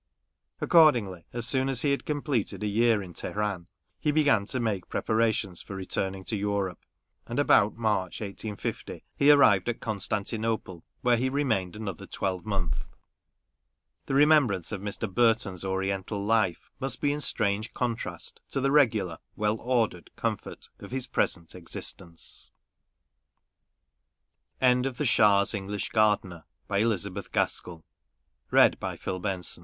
Accordingly, as soon as he had completed a year in Teheran, he began to make prepara tions for returning to Europe ; and about March, 1850, he arrived at Constantinople, where he remained another twelvemonth. The remembrance of Mr. Burton's Oriental life must be in strange contrast to the regular, well ordered comfort of his present existence. BEEAD OF LIFE. ALBEIT fo